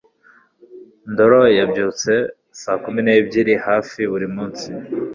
ndoro yabyutse saa kumi n'ebyiri hafi buri munsi